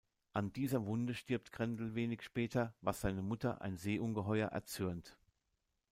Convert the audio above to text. An dieser Wunde stirbt Grendel wenig später, was seine Mutter, ein Seeungeheuer, erzürnt.